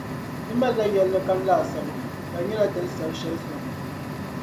Ti mali la yɛllikam laasabu, ka di nyɛla ti ni sabi shɛli sɔŋ.